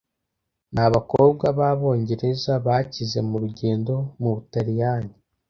Ni abakobwa b'Abongereza bakize mu rugendo mu Butaliyani.